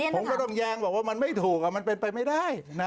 ผมก็ต้องแย้งบอกว่ามันไม่ถูกมันเป็นไปไม่ได้